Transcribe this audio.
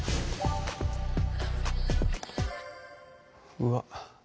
うわっ。